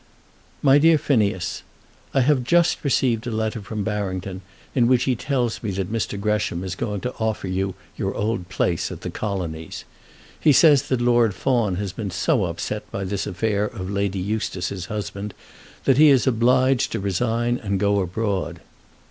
MY DEAR PHINEAS, I have just received a letter from Barrington in which he tells me that Mr. Gresham is going to offer you your old place at the Colonies. He says that Lord Fawn has been so upset by this affair of Lady Eustace's husband, that he is obliged to resign and go abroad.